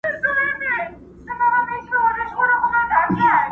و باطل ته یې ترک کړئ عدالت دی،